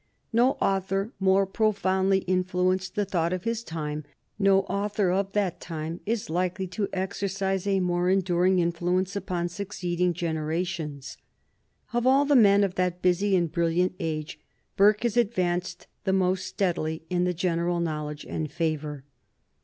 No author more profoundly influenced the thought of his time; no author of that time is likely to exercise a more enduring influence upon succeeding generations. Of all the men of that busy and brilliant age, Burke has advanced the most steadily in the general knowledge and favor.